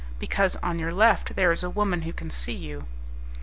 "Because, on your left, there is a woman who can see you."